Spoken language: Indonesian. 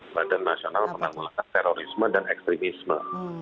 badan nasional penanggulkan terorisme dan ekstrimisme